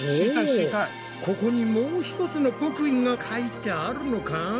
おここにもう一つの極意が書いてあるのか？